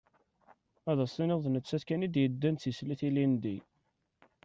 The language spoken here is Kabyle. Ad as-tiniḍ d nettat kan i d-yeddan d tislit ilindi.